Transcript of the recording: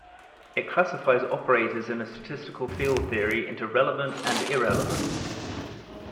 It classifies operators in a statistical field theory into relevant and irrelevant.